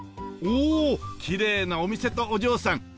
おおきれいなお店とお嬢さん。